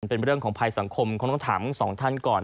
เป็นเรื่องของภัยสังคมคงต้องถามทั้งสองท่านก่อน